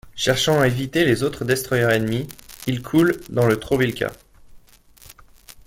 Cherchant à éviter les autres destroyers ennemis, il coule dans le Trollvika.